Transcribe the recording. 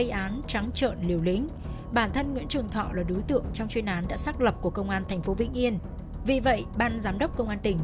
sau đó người ấy nguyễn trường thọ đã thực hiện hành vi hạm hiếp chị m